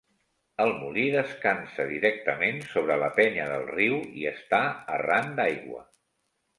El molí descansa directament sobre la penya del riu i està arran d'aigua.